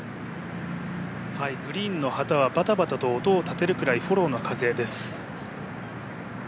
グリーンの旗はバタバタと音を立てるくらいフォローの風です。